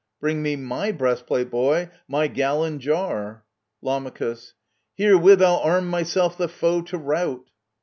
Bring me my breastplate, boy — my gallon jar ! Lam. Herewith I'll arm myself the foe to rout